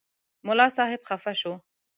ملا صاحب خفه شو.